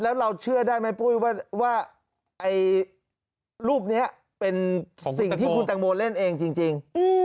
แล้วเราเชื่อได้ไหมปุ้ยว่ารูปนี้เป็นสิ่งที่คุณแตงโมเล่นเองจริง